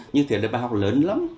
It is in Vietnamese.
như thế là bài học lớn lắm